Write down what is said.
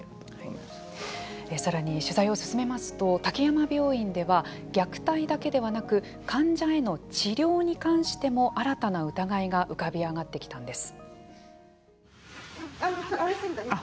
さらに取材を進めますと滝山病院では虐待だけではなく患者への治療に関しても新たな疑いが浮かび上がってきたんです。